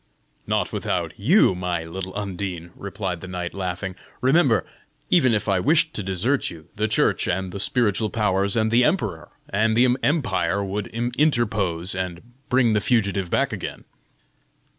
"Not without you, my little Undine," replied the knight, laughing: "remember, even if I wished to desert you, the church, and the spiritual powers, and the emperor, and the empire would interpose and bring the fugitive back again."